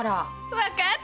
わかった！